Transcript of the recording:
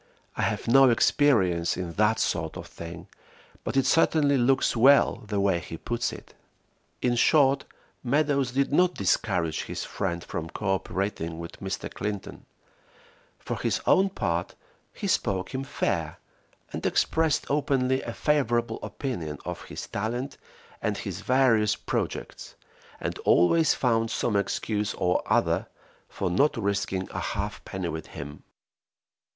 "I have no experience in that sort of thing, but it certainly looks well the way he puts it." In short, Meadows did not discourage his friend from co operating with Mr. Clinton; for his own part he spoke him fair, and expressed openly a favorable opinion of his talent and his various projects, and always found some excuse or other for not risking a halfpenny with him.